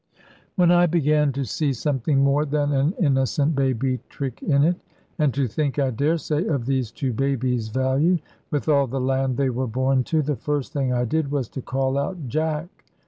"When I began to see something more than an innocent baby trick in it, and to think (I daresay) of these two babies' value, with all the land they were born to, the first thing I did was to call out 'Jack!'